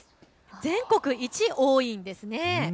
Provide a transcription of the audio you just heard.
全国一多いんです。